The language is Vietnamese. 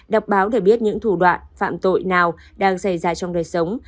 đọc báo để biết những thủ đoạn phạm tội nào đang xảy ra trong đời sống